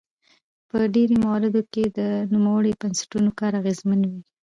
په ډیری مواردو کې د نوموړو بنسټونو کار اغیزمن وي.